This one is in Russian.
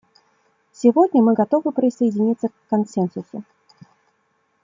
Сегодня мы готовы присоединиться к консенсусу.